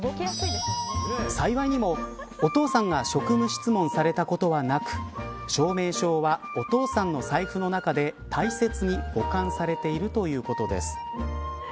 幸いにもお父さんが職務質問されたことはなく証明書はお父さんの財布の中で大切に保管されているということです。